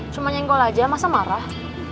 cuma nyenggol aja masa marah